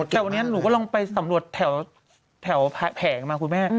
แต่วันนี้หนูก็ลองไปสำรวจแถวแผงมาคุณแม่